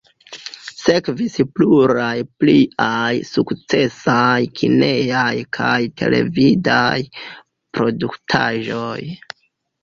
Sekvis pluraj pliaj sukcesaj kinejaj kaj televidaj produktaĵoj.